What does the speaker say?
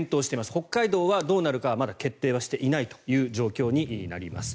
北海道はどうなるかはまだ決定していない状況になります。